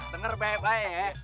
dengar baik baik ya